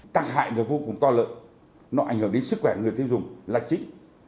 các hại vô cùng to lợi nó ảnh hưởng đến sức khỏe người tiêu dùng là chính